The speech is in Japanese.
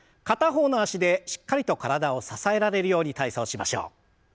片方の脚でしっかりと体を支えられるように体操しましょう。